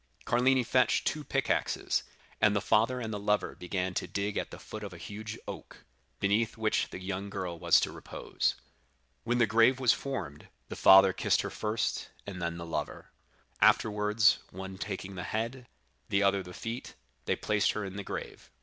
Carlini fetched two pickaxes; and the father and the lover began to dig at the foot of a huge oak, beneath which the young girl was to repose. When the grave was formed, the father embraced her first, and then the lover; afterwards, one taking the head, the other the feet, they placed her in the grave.